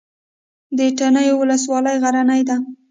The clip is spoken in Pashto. د تڼیو ولسوالۍ غرنۍ ده